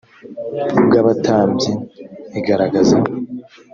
bw abatambyi igaragaza